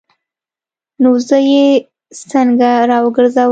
نو زه یې څنګه راوګرځوم؟